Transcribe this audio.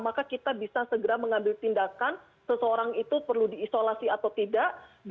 maka kita bisa segera mengambil tindakan seseorang itu perlu diisolasi oleh bapak presiden